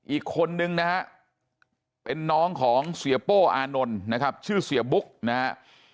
อีกคนนึงนะฮะเป็นน้องของเสียโป้อานนท์นะครับชื่อเสียบุ๊กนะฮะ